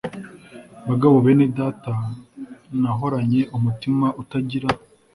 Bagabo bene Data nahoranye umutima utagira